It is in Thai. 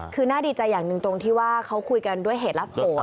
คือน่าดีใจอย่างหนึ่งตรงที่ว่าเขาคุยกันด้วยเหตุและผล